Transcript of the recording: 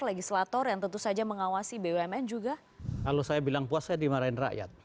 legislator yang tentu saja mengawasi bumn juga kalau saya bilang puas saya dimarahin rakyat